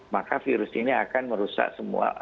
maka virus ini akan merusak semua